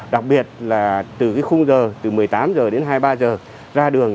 đặc biệt là từ cái khung giờ từ một mươi tám h đến hai mươi ba h ra đường